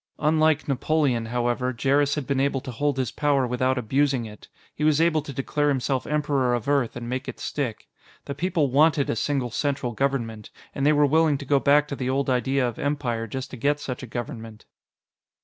Unlike Napoleon, however, Jerris had been able to hold his power without abusing it; he was able to declare himself Emperor of Earth and make it stick. The people wanted a single central government, and they were willing to go back to the old idea of Empire just to get such a government.